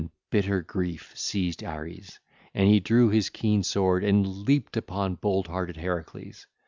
Then bitter grief seized Ares and he drew his keen sword and leaped upon bold hearted Heracles.